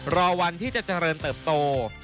รอวันที่จะเจริญเติบโต